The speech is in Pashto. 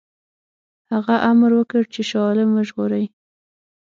هغه امر وکړ چې شاه عالم وژغوري.